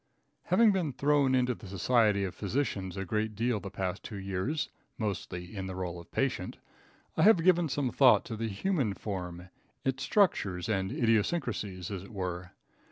Having been thrown into the society of physicians a great deal the past two years, mostly in the role of patient, I have given some study to the human form; its structure and idiosyncracies, as it were.